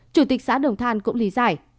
chủ tịch xã đồng thàn cũng lý giải